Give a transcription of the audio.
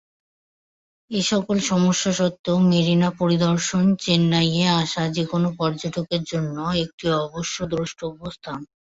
এসকল সমস্যা সত্ত্বেও মেরিনা পরিদর্শন চেন্নাইয়ে আসা যেকোনও পর্যটকের জন্য একটি অবশ্য দ্রষ্টব্য স্থান।